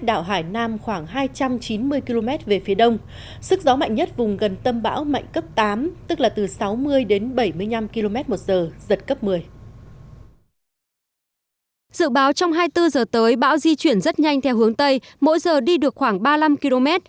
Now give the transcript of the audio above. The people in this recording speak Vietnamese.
dự báo trong hai mươi bốn h tới bão di chuyển rất nhanh theo hướng tây mỗi giờ đi được khoảng ba mươi năm km